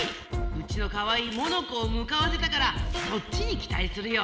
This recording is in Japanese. うちのカワイイ「モノコ」をむかわせたからそっちにきたいするよ。